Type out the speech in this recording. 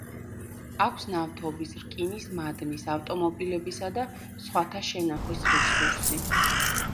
აქვს ნავთობის, რკინის მადნის, ავტომობილებისა და სხვათა შენახვის რესურსი.